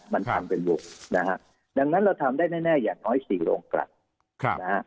มันทำเป็นวงนะฮะดังนั้นเราทำได้แน่อย่างน้อย๔โรงกรัมนะฮะ